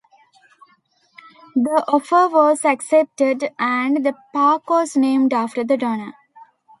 The offer was accepted and the park was named after the donor.